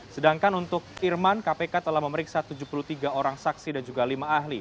sedangkan untuk irman kpk telah memeriksa tujuh puluh tiga orang saksi dan juga lima ahli